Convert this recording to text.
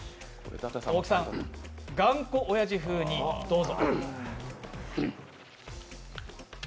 大木さん、頑固おやじ風にどうぞ。